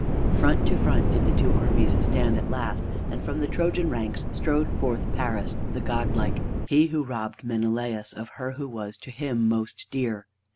Front to front did the two armies stand at last, and from the Trojan ranks strode forth Paris the godlike, he who robbed Menelaus of her who was to him most dear.